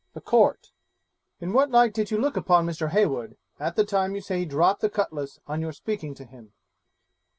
The Court 'In what light did you look upon Mr. Heywood, at the time you say he dropped the cutlass on your speaking to him?'